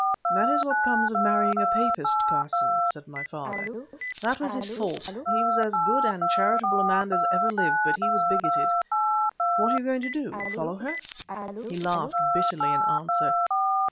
"That is what comes of marrying a papist, Carson," said my father. That was his fault; he was as good and charitable a man as ever lived, but he was bigoted. "What are you going to do—follow her?" He laughed bitterly in answer.